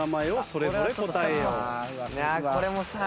これもさ。